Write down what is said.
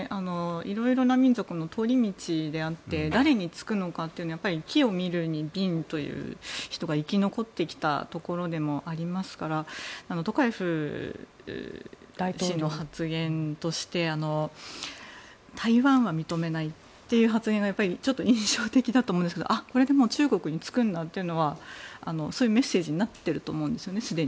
いろいろな民族の通り道であって誰につくのかというのは機を見るに敏という人が生き残ってきたところでもありますからトカエフ氏の発言として台湾は認めないという発言が印象的だと思うんですけどこれでもう中国につくんだというのはそういうメッセージになってるんだと思うんですよね。